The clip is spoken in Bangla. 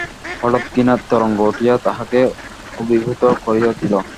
হঠাৎ ঘৃণার তরঙ্গ উঠিয়া তাহাকে অভিভূত করিয়া দিল।